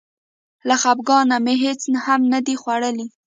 له خپګانه مې هېڅ هم نه دي خوړلي.